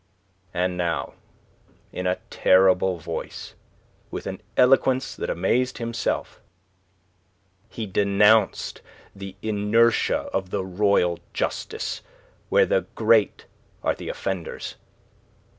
And now in a terrible voice, with an eloquence that amazed himself, he denounced the inertia of the royal justice where the great are the offenders.